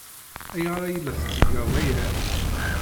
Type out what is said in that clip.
Ayɣer ay la tettged aya?